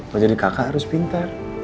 mau jadi kakak harus pintar